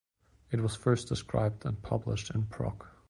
It was first described and published in Proc.